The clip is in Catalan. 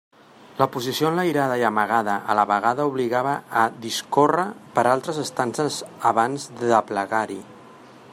La posició enlairada i amagada a la vegada obligava a discórrer per altres estances abans d'aplegar-hi.